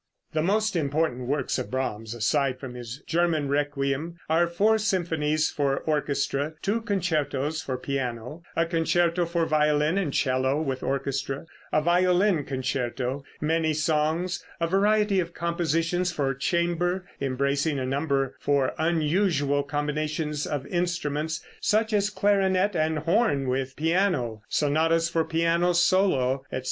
The most important works of Brahms, aside from his "German Requiem," are four symphonies for orchestra, two concertos for pianoforte, a concerto for violin and 'cello with orchestra, a violin concerto, many songs, a variety of compositions for chamber, embracing a number for unusual combinations of instruments (such as clarinet and horn with piano), sonatas for piano solo, etc.